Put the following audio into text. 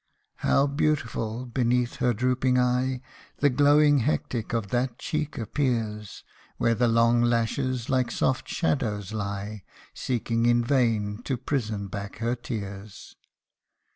How beautiful, beneath her drooping eye, The glowing hectic of that cheek appears, Where the long lashes like soft shadows lie, Seeking in vain to prison back her tears.